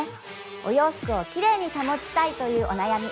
お洋服をきれいに保ちたいというお悩み